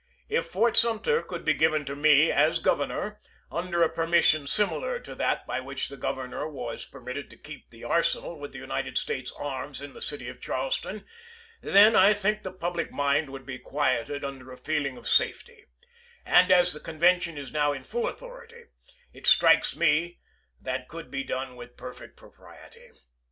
If Fort Sumter could be given to me, as Governor, under a permission similar to that by which the Gov ernor was permitted to keep the arsenal with the United States arms in the city of Charleston, then I think the public mind would be quieted under a feeling of safety ; and as the convention is now in full authority, it strikes me that could be done with perfect propriety.